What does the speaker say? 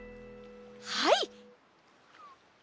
はい！